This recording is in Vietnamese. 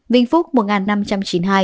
vinh phúc một năm trăm chín mươi hai